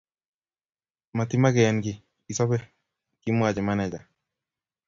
matimakenkiy isobe, kimwachi meneja